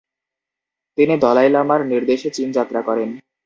তিনি দলাই লামার নির্দেশে চীন যাত্রা করেন।